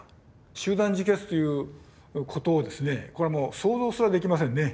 集団自決ということをこれはもう想像すらできませんね。